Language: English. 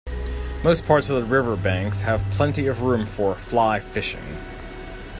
Most parts of the river banks have plenty of room for Fly Fishing.